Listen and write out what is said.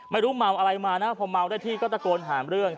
เมาอะไรมานะพอเมาได้ที่ก็ตะโกนหาเรื่อง